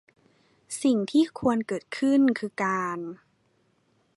สิ่งที่ควรเกิดขึ้นคือการ